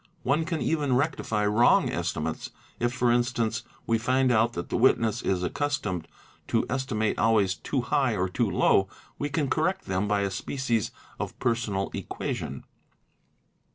One can even rectify wrong estimates, if for instance we find out that the witness. 1s accustomed to estimate always too high or too low; we can correct them by a species of personal equation.